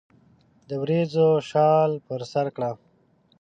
دوریځو شال پر سرکړه